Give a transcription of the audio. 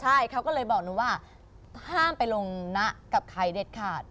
ใช่เขาก็เลยบอกหนูว่าห้ามไปลงนะกับใครเด็ดขาด